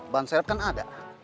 ban serep kan ada